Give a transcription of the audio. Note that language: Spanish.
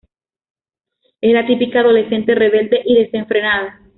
Es la típica adolescente rebelde y desenfrenada.